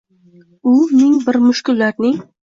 Unga ming bir mushkul dardning